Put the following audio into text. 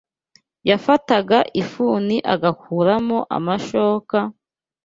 yafataga ifuni agakuramo amashoka,